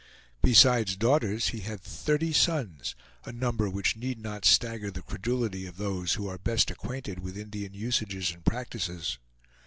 Besides daughters he had thirty sons, a number which need not stagger the credulity of those who are best acquainted with Indian usages and practices.